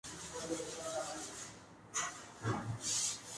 Las ceremonias tradicionales Zar son interrumpidas y los tambores confiscados.